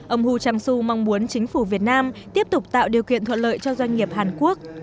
ông hu trang su mong muốn chính phủ việt nam tiếp tục tạo điều kiện thuận lợi cho doanh nghiệp hàn quốc